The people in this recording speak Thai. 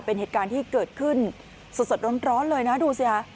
เป็นเหตุการณ์ที่เกิดขึ้นสดร้อนเลยนะดูสิค่ะ